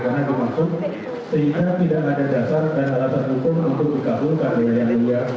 karena itu maksud sehingga tidak ada dasar dan alasan hukum untuk dikabulkan dari rakyat yang dunia